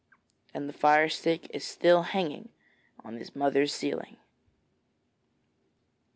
And the fire stick is still hanging on his mother's ceiling.